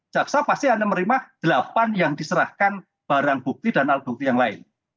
jaksa pasti hanya menerima delapan yang diserahkan barang bukti dan alat bukti yang lain